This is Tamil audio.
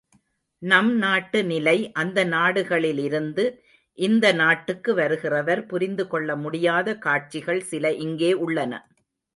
நம் நாட்டு நிலை அந்த நாடுகளிலிருந்து இந்த நாட்டுக்கு வருகிறவர் புரிந்துகொள்ளமுடியாத காட்சிகள் சில இங்கே உள்ளன.